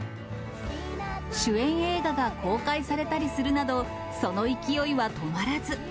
主演映画が公開されたりするなど、その勢いは止まらず。